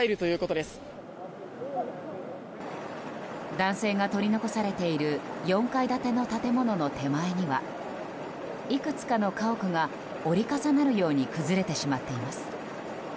男性が取り残されている４階建ての建物の手前にはいくつかの家屋が折り重なるように崩れてしまっています。